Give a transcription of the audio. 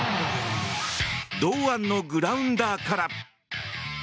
堂安のグラウンダーから。